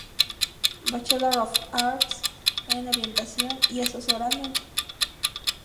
Bachelor of Arts en Orientación y Asesoramiento